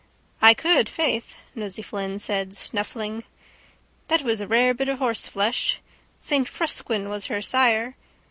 —I could, faith, Nosey Flynn said, snuffling. That was a rare bit of horseflesh. Saint Frusquin was her sire.